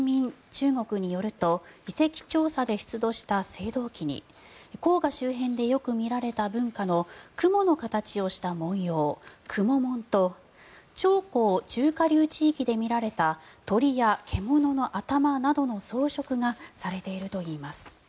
中国によると遺跡調査で出土した青銅器に黄河周辺でよく見られた文化の雲の形をした文様、雲紋と長江中下流地域で見られた鳥や獣の頭などの装飾がされているといいます。